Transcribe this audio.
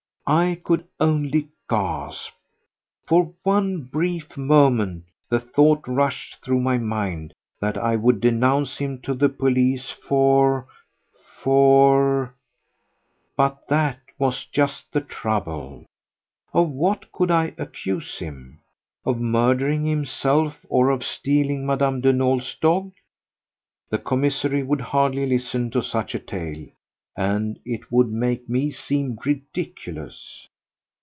I could only gasp. For one brief moment the thought rushed through my mind that I would denounce him to the police for ... for ... But that was just the trouble. Of what could I accuse him? Of murdering himself or of stealing Mme. de Nolé's dog? The commissary would hardly listen to such a tale ... and it would make me seem ridiculous.